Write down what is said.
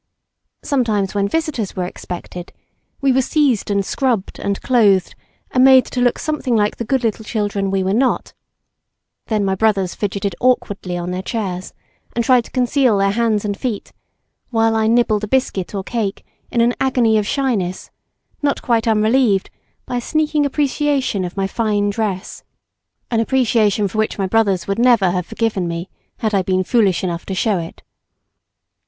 Sometimes when visitors were expected, we were seized and scrubbed, and clothed, and made to look something like the good little children we were not; then my brothers fidgeted awkwardly on their chairs and tried to conceal their hands and feet, while I nibbled a biscuit or cake in an agony of shyness, not quite unrelieved by a sneaking appreciation of my fine dress, an appreciation for which my brothers would never have forgiven me, had I been foolish enough to show it.